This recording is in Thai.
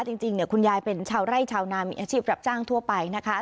จริงคุณยายเป็นชาวไร่ชาวนามีอาชีพรับจ้างทั่วไปนะคะ